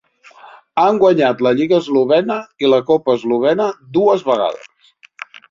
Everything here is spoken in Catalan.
Han guanyat la lliga eslovena i la copa eslovena dues vegades.